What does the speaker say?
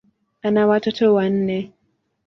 Ana watoto wanne.